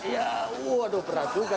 ya aduh berat juga